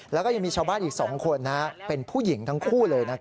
แล้วก็ยังมีชาวบ้านอีก๒คนเป็นผู้หญิงทั้งคู่เลย